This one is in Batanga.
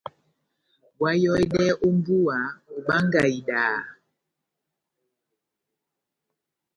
Oháyohedɛhɛ ó mbúwa, obángahi idaha.